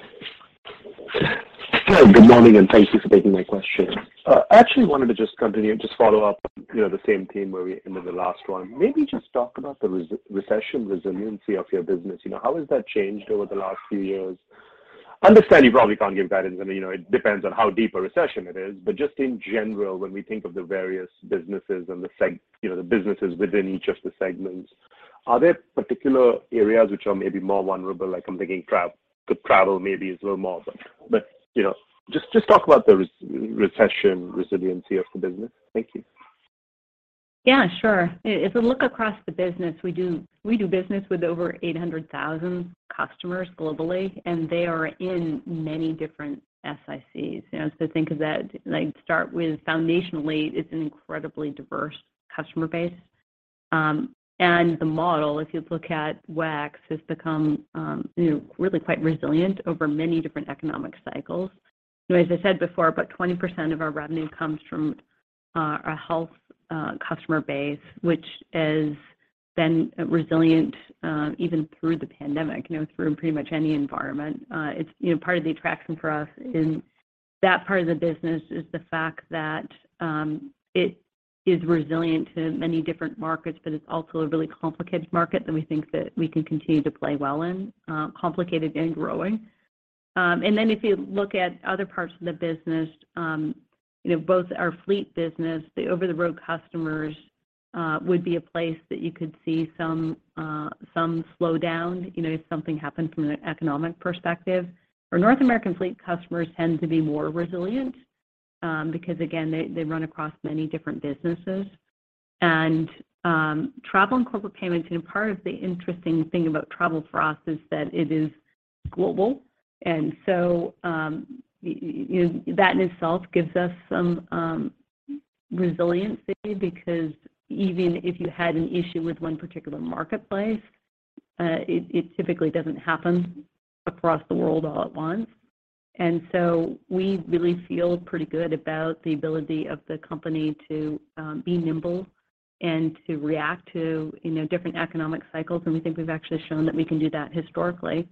Good morning, and thank you for taking my question. I actually wanted to just continue, just follow up, you know, the same theme where we ended the last one. Maybe just talk about the recession resiliency of your business. You know, how has that changed over the last few years? I understand you probably can't give guidance. I mean, you know, it depends on how deep a recession it is. Just in general, when we think of the various businesses and you know, the businesses within each of the segments, are there particular areas which are maybe more vulnerable? Like I'm thinking travel but travel maybe is a little more. You know, just talk about the recession resiliency of the business. Thank you. Yeah, sure. If we look across the business, we do business with over 800,000 customers globally, and they are in many different SICs. You know, so think of that, like start with foundationally, it's an incredibly diverse customer base. The model, if you look at WEX, has become, you know, really quite resilient over many different economic cycles. You know, as I said before, about 20% of our revenue comes from our health customer base, which has been resilient, even through the pandemic, you know, through pretty much any environment. It's, you know, part of the attraction for us in that part of the business is the fact that it is resilient to many different markets, but it's also a really complicated market that we think that we can continue to play well in, complicated and growing. If you look at other parts of the business, you know, both our fleet business, the over-the-road customers, would be a place that you could see some slowdown, you know, if something happened from an economic perspective. Our North American fleet customers tend to be more resilient, because again, they run across many different businesses. Travel and corporate payments, you know, part of the interesting thing about travel for us is that it is global. You know, that in itself gives us some resiliency because even if you had an issue with one particular marketplace, it typically doesn't happen across the world all at once. We really feel pretty good about the ability of the company to be nimble and to react to, you know, different economic cycles, and we think we've actually shown that we can do that historically.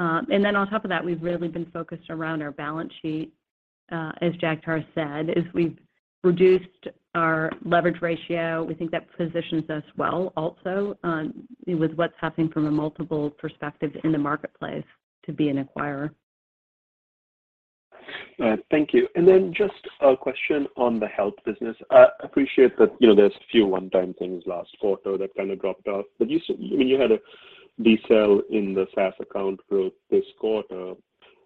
On top of that, we've really been focused around our balance sheet, as Jagtar said. As we've reduced our leverage ratio, we think that positions us well also, with what's happening from a multiple perspective in the marketplace to be an acquirer. All right. Thank you. Then just a question on the health business. I appreciate that, you know, there's a few one-time things last quarter that kind of dropped off. But I mean, you had a decel in the SaaS account growth this quarter.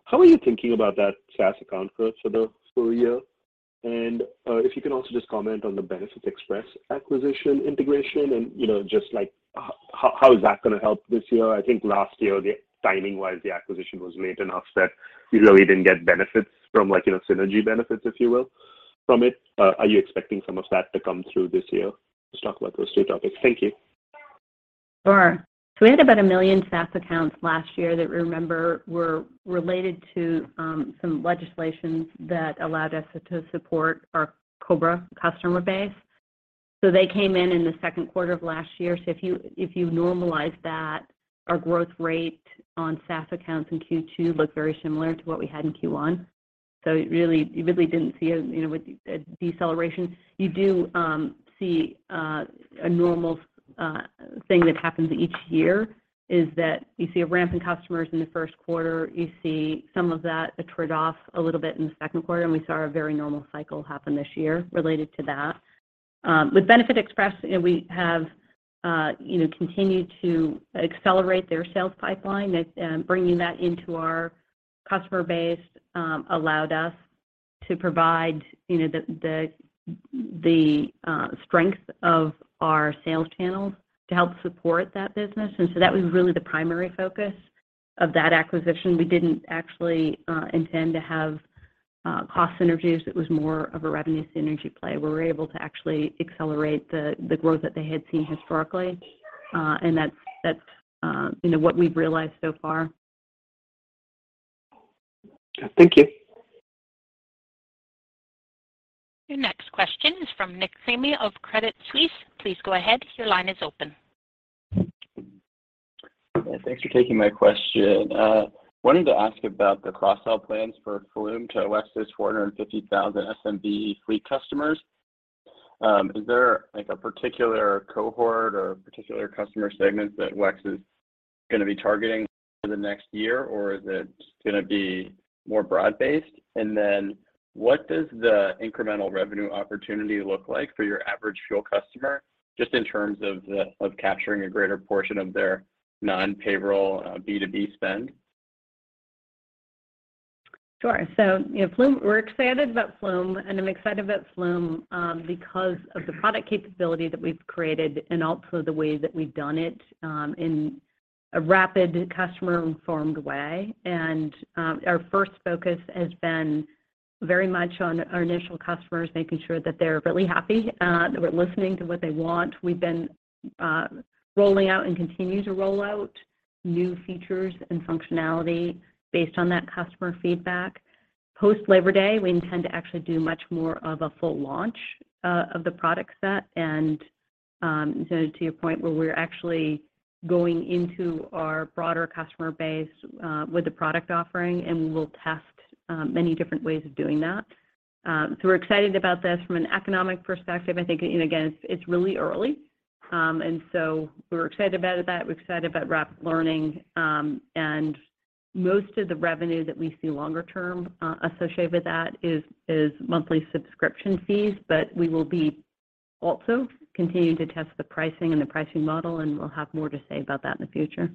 How are you thinking about that SaaS account growth for the full year? And if you can also just comment on the benefitexpress acquisition integration and, you know, just like how is that gonna help this year? I think last year, timing-wise, the acquisition was late enough that you really didn't get benefits from like, you know, synergy benefits, if you will, from it. Are you expecting some of that to come through this year? Just talk about those two topics. Thank you. Sure. We had about a million SaaS accounts last year that were related to some legislation that allowed us to support our COBRA customer base. They came in in the second quarter of last year. If you normalize that, our growth rate on SaaS accounts in Q2 looked very similar to what we had in Q1. You really didn't see a deceleration. You know, you do see a normal thing that happens each year is that you see a ramp in customers in the first quarter. You see some of that attrition off a little bit in the second quarter, and we saw a very normal cycle happen this year related to that. With benefitexpress, you know, we have continued to accelerate their sales pipeline. Bringing that into our customer base allowed us to provide, you know, the strength of our sales channels to help support that business. That was really the primary focus of that acquisition. We didn't actually intend to have cost synergies. It was more of a revenue synergy play, where we're able to actually accelerate the growth that they had seen historically. That's what we've realized so far. Thank you. Your next question is from Nik Cremo of Credit Suisse. Please go ahead, your line is open. Thanks for taking my question. Wanted to ask about the cross-sell plans for Flume to WEX's 450,000 SMB fleet customers. Is there like a particular cohort or particular customer segments that WEX is gonna be targeting for the next year or is it gonna be more broad-based? What does the incremental revenue opportunity look like for your average fuel customer, just in terms of capturing a greater portion of their non-payroll B2B spend? Sure. You know, Flume, we're excited about Flume, and I'm excited about Flume because of the product capability that we've created and also the way that we've done it in a rapid customer-informed way. Our first focus has been very much on our initial customers, making sure that they're really happy that we're listening to what they want. We've been rolling out and continue to roll out new features and functionality based on that customer feedback. Post Labor Day, we intend to actually do much more of a full launch of the product set and, so to your point, where we're actually going into our broader customer base with the product offering, and we will test many different ways of doing that. We're excited about this. From an economic perspective, I think, you know, again, it's really early. We're excited about that. We're excited about rapid learning. Most of the revenue that we see longer term, associated with that is monthly subscription fees. We will be also continuing to test the pricing and the pricing model, and we'll have more to say about that in the future.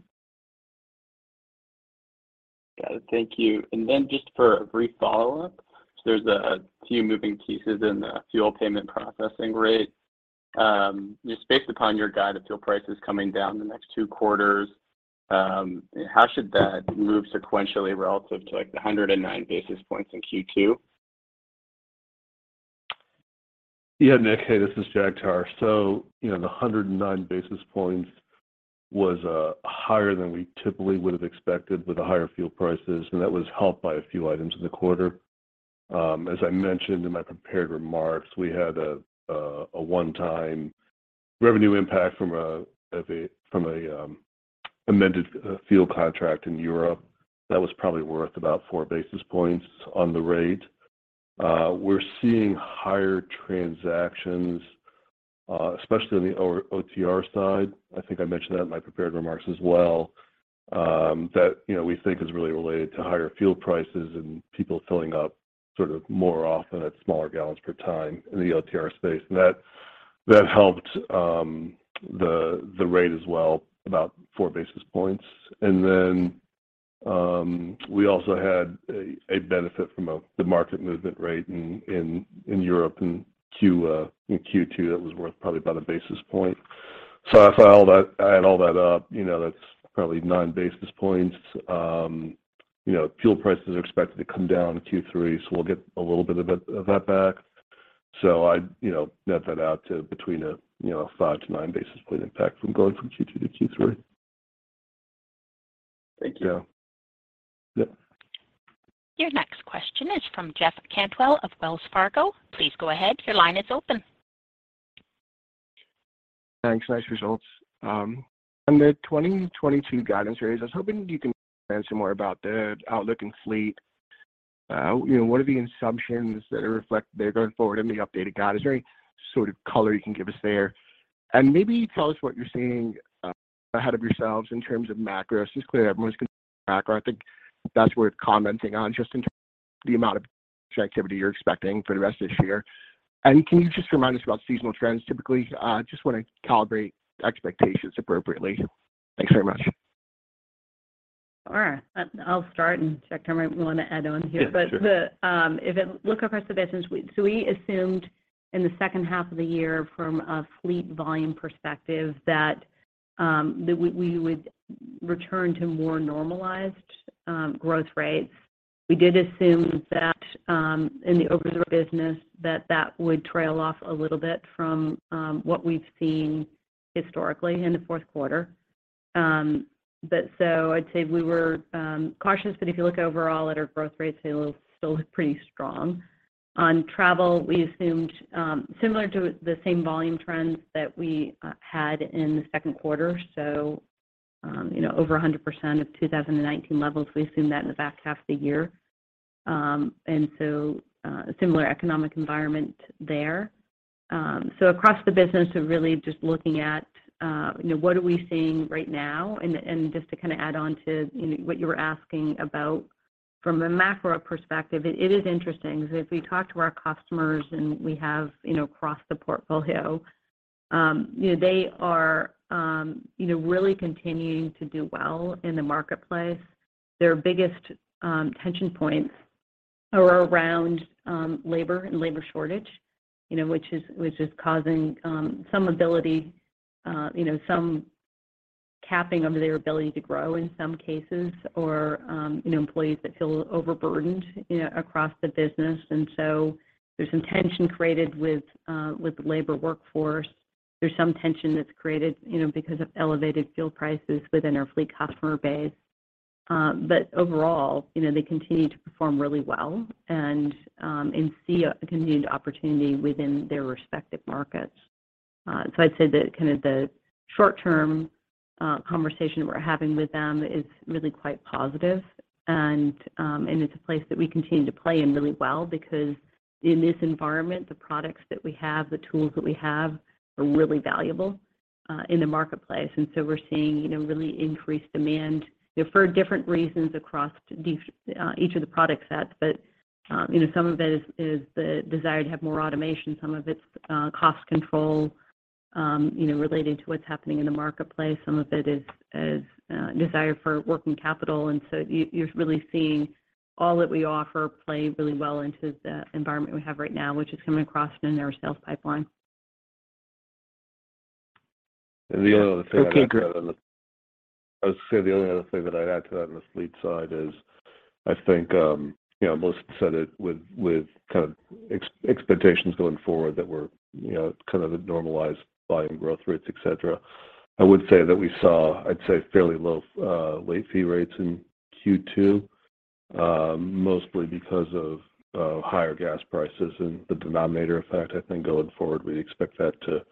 Got it. Thank you. Just for a brief follow-up, so there's a few moving pieces in the fuel payment processing rate. Just based upon your guide of fuel prices coming down in the next two quarters, how should that move sequentially relative to like the 109 basis points in Q2? Yeah, Nik. Hey, this is Jagtar. You know, the 109 basis points was higher than we typically would have expected with the higher fuel prices, and that was helped by a few items in the quarter. As I mentioned in my prepared remarks, we had a one-time revenue impact from an amended fuel contract in Europe that was probably worth about 4 basis points on the rate. We're seeing higher transactions, especially on the OTR side. I think I mentioned that in my prepared remarks as well, that you know, we think is really related to higher fuel prices and people filling up sort of more often at smaller gallons per time in the OTR space. That helped the rate as well about 4 basis points. We also had a benefit from the market movement rate in Europe in Q2 that was worth probably about a basis point. So if I add all that up, you know, that's probably 9 basis points. Fuel prices are expected to come down in Q3, so we'll get a little bit of that back. So I'd, you know, net that out to between, you know, 5 basis point-9 basis point impact from going from Q2 to Q3. Thank you. Yeah. Yeah. Your next question is from Jeff Cantwell of Wells Fargo. Please go ahead. Your line is open. Thanks. Nice results. On the 2022 guidance rates, I was hoping you can expand some more about the outlook in fleet. You know, what are the assumptions that are reflect there going forward in the updated guide? Is there any sort of color you can give us there? And maybe tell us what you're seeing, ahead of yourselves in terms of macro. It's just clear everyone's concerned with macro. I think that's worth commenting on just in terms of the amount of transaction activity you're expecting for the rest of this year. Can you just remind us about seasonal trends typically? Just wanna calibrate expectations appropriately. Thanks very much. Sure. I'll start, and Jagtar might wanna add on here. Yeah, sure. Look across the business, so we assumed in the second half of the year from a fleet volume perspective that we would return to more normalized growth rates. We did assume that in the overall business that that would trail off a little bit from what we've seen historically in the fourth quarter. I'd say we were cautious, but if you look overall at our growth rates, they still look pretty strong. On travel, we assumed similar to the same volume trends that we had in the second quarter, you know, over 100% of 2019 levels, we assume that in the back half of the year. A similar economic environment there. Across the business, we're really just looking at, you know, what are we seeing right now. Just to kinda add on to, you know, what you were asking about from a macro perspective, it is interesting because if we talk to our customers and we have, you know, across the portfolio, you know, they are, you know, really continuing to do well in the marketplace. Their biggest tension points are around labor and labor shortage, you know, which is causing some ability, you know, some capping of their ability to grow in some cases or, you know, employees that feel overburdened, you know, across the business. There's some tension created with the labor workforce. There's some tension that's created, you know, because of elevated fuel prices within our fleet customer base. Overall, you know, they continue to perform really well and see a continued opportunity within their respective markets. So I'd say that kind of the short-term conversation we're having with them is really quite positive. It's a place that we continue to play in really well because in this environment, the products that we have, the tools that we have are really valuable in the marketplace. We're seeing, you know, really increased demand, you know, for different reasons across each of the product sets. Some of it is the desire to have more automation. Some of it's cost control, you know, related to what's happening in the marketplace. Some of it is desire for working capital. You're really seeing all that we offer play really well into the environment we have right now, which is coming across in our sales pipeline. The only other thing I'd add on the. Okay, great. I would say the only other thing that I'd add to that on the fleet side is I think, you know, most said it with kind of expectations going forward that we're, you know, kind of at normalized volume growth rates, et cetera. I would say that we saw, I'd say, fairly low late fee rates in Q2, mostly because of higher gas prices and the denominator effect. I think going forward we'd expect that to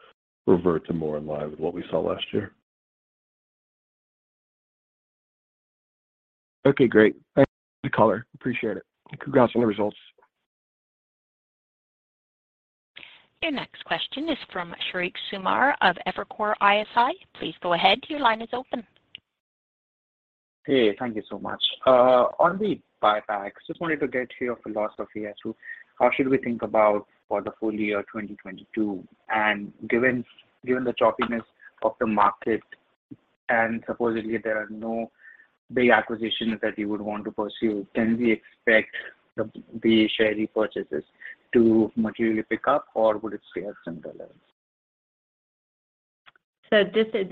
revert to more in line with what we saw last year. Okay, great. Thanks for the color. Appreciate it. Congrats on the results. Your next question is from Sheriq Sumar of Evercore ISI. Please go ahead, your line is open. Hey, thank you so much. On the buyback, just wanted to get your philosophy as to how should we think about for the full year 2022? Given the choppiness of the market, and supposedly there are no big acquisitions that you would want to pursue, can we expect the share repurchases to materially pick up, or would it stay at similar levels?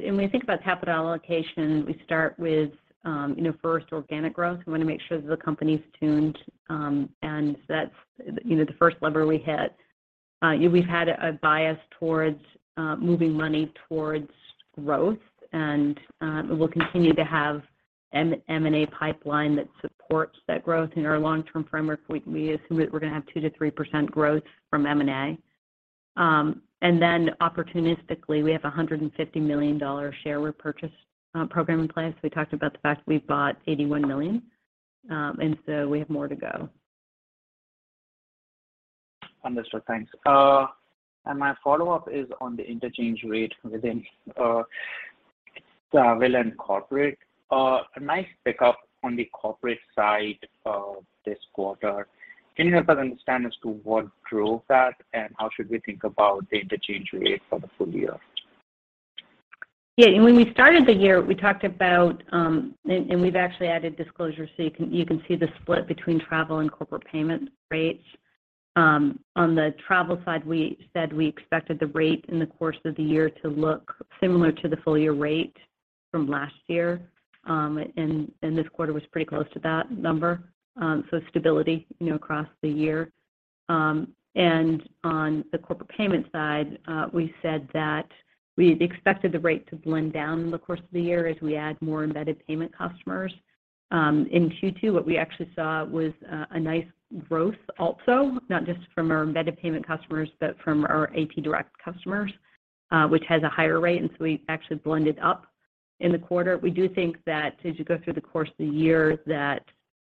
When we think about capital allocation, we start with, you know, first organic growth. We want to make sure that the company's tuned, and that's, you know, the first lever we hit. We've had a bias towards, moving money towards growth and, we'll continue to have M&A pipeline that supports that growth. In our long-term framework, we assume that we're going to have 2%-3% growth from M&A. Opportunistically, we have a $150 million share repurchase program in place. We talked about the fact that we bought $81 million, and so we have more to go. Understood. Thanks. My follow-up is on the interchange rate within travel and corporate. A nice pickup on the corporate side this quarter. Can you help us understand as to what drove that, and how should we think about the interchange rate for the full year? Yeah. When we started the year, we talked about. We've actually added disclosure, so you can see the split between travel and corporate payment rates. On the travel side, we said we expected the rate in the course of the year to look similar to the full year rate from last year. This quarter was pretty close to that number. Stability, you know, across the year. On the corporate payment side, we said that we expected the rate to blend down in the course of the year as we add more embedded payment customers. In Q2, what we actually saw was a nice growth also, not just from our embedded payment customers, but from our AP direct customers, which has a higher rate, and so we actually blended up in the quarter. We do think that as you go through the course of the year, that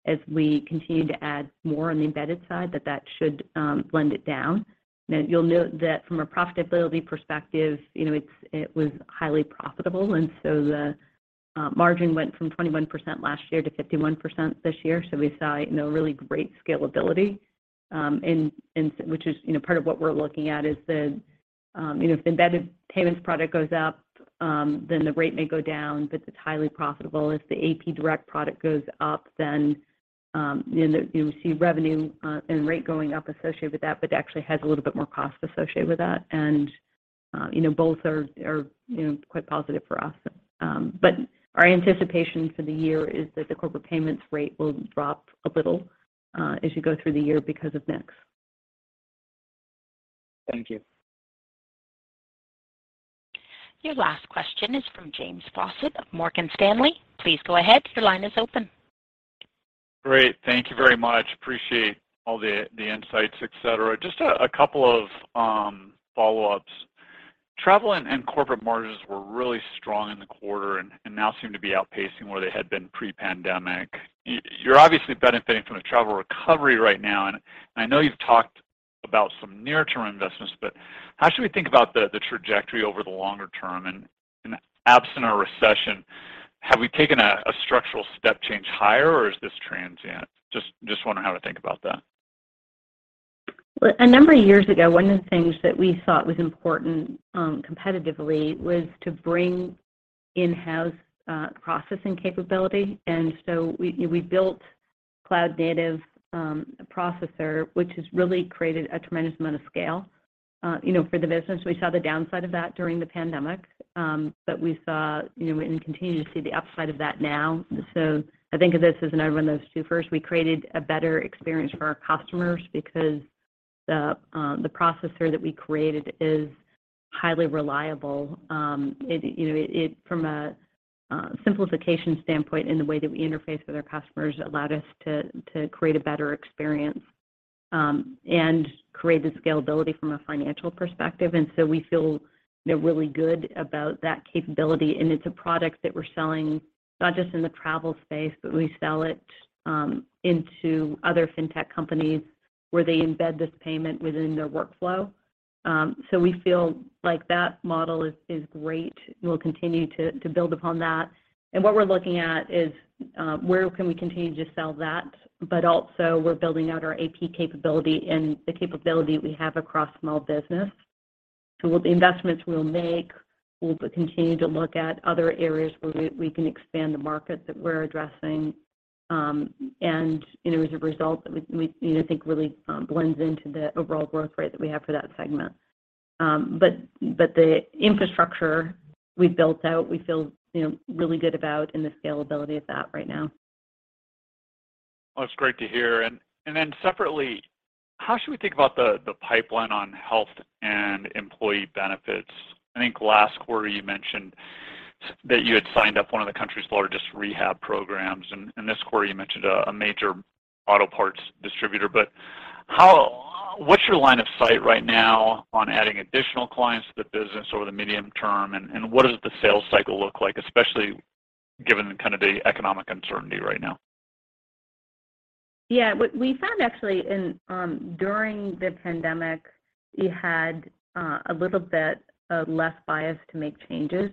as we continue to add more on the embedded side, that should blend it down. Now you'll note that from a profitability perspective, you know, it was highly profitable, and so the margin went from 21% last year to 51% this year. We saw, you know, really great scalability, which is, you know, part of what we're looking at is the, you know, if the embedded payments product goes up, then the rate may go down, but it's highly profitable. If the AP direct product goes up, then you'll see revenue and rate going up associated with that, but it actually has a little bit more cost associated with that. You know, both are you know, quite positive for us. Our anticipation for the year is that the corporate payments rate will drop a little, as you go through the year because of mix. Thank you. Your last question is from James Faucette of Morgan Stanley. Please go ahead, your line is open. Great. Thank you very much. Appreciate all the insights, et cetera. Just a couple of follow-ups. Travel and corporate margins were really strong in the quarter and now seem to be outpacing where they had been pre-pandemic. You're obviously benefiting from the travel recovery right now, and I know you've talked about some near-term investments, but how should we think about the trajectory over the longer term? Absent a recession, have we taken a structural step change higher, or is this transient? Just wondering how to think about that? Well, a number of years ago, one of the things that we thought was important competitively was to bring in-house processing capability. We, you know, we built cloud native processor, which has really created a tremendous amount of scale, you know, for the business. We saw the downside of that during the pandemic, but we saw, you know, and continue to see the upside of that now. I think of this as another one of those twofers. We created a better experience for our customers because the processor that we created is highly reliable. It, you know, from a simplification standpoint in the way that we interface with our customers allowed us to create a better experience and create the scalability from a financial perspective. We feel, you know, really good about that capability, and it's a product that we're selling not just in the travel space, but we sell it into other fintech companies where they embed this payment within their workflow. So we feel like that model is great. We'll continue to build upon that. What we're looking at is where can we continue to sell that? But also we're building out our AP capability and the capability we have across small business. With the investments we'll make, we'll continue to look at other areas where we can expand the market that we're addressing. You know, as a result that we think really blends into the overall growth rate that we have for that segment. The infrastructure we built out, we feel, you know, really good about and the scalability of that right now. That's great to hear. Then separately, how should we think about the pipeline on health and employee benefits? I think last quarter you mentioned that you had signed up one of the country's largest rehab programs, and in this quarter you mentioned a major auto parts distributor. What's your line of sight right now on adding additional clients to the business over the medium term, and what does the sales cycle look like, especially given the economic uncertainty right now? Yeah. What we found actually during the pandemic, we had a little bit of less bias to make changes.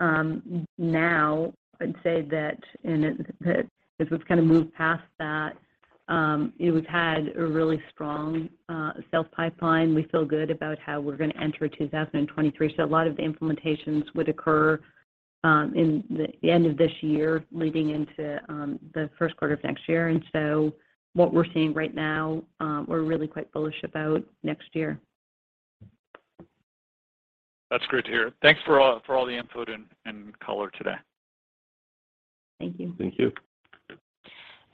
Now I'd say that as we've kind of moved past that, we've had a really strong sales pipeline. We feel good about how we're gonna enter 2023. A lot of the implementations would occur in the end of this year leading into the first quarter of next year. What we're seeing right now, we're really quite bullish about next year. That's great to hear. Thanks for all the input and color today. Thank you. Thank you.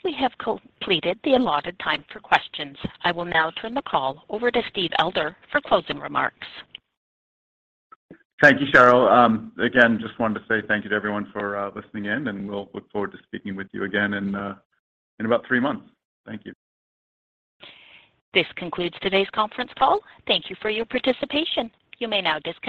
We have completed the allotted time for questions. I will now turn the call over to Steve Elder for closing remarks. Thank you, Cheryl. Again, just wanted to say thank you to everyone for listening in, and we'll look forward to speaking with you again in about three months. Thank you. This concludes today's conference call. Thank you for your participation. You may now disconnect.